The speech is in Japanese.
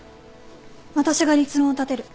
私が立論を立てる